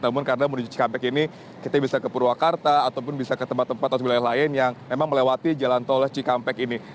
namun karena menuju cikampek ini kita bisa ke purwakarta ataupun bisa ke tempat tempat atau wilayah lain yang memang melewati jalan tol cikampek ini